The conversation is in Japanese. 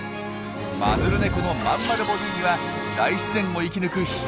マヌルネコのまんまるボディーには大自然を生き抜く秘密が詰まっていたんです！